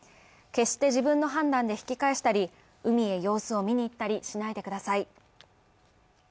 決して自分の判断で引き返したり、海へ様子を見に行ったりしないでください。